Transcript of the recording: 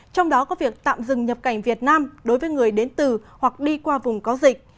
trong đó có việc tạm dừng nhập cảnh việt nam đối với người đến từ hoặc đi qua vùng có dịch